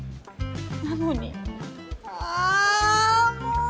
なのにあぁもう！